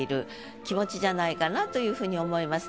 じゃないかなというふうに思います。